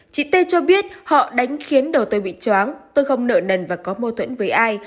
chị tê cho biết họ đánh khiến đầu tôi bị chóng tôi không nợ nần và có mô thuẫn với ai